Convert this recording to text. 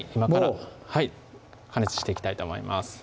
もう加熱していきたいと思います